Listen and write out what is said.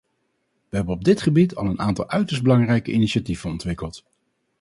We hebben op dit gebied al een aantal uiterst belangrijke initiatieven ontwikkeld.